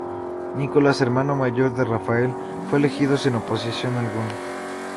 Nicolás, hermano mayor de Rafael, fue elegido sin oposición alguna.